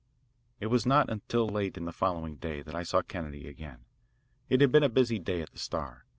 It was not until late in the following day that I saw Kennedy again. It had been a busy day at the Star.